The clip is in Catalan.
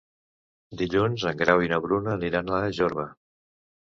Dilluns en Grau i na Bruna aniran a Jorba.